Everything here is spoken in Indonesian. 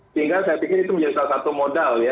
sehingga saya pikir itu menjadi salah satu modal ya